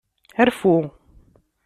Rfu.